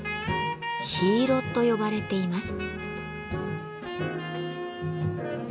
「火色」と呼ばれています。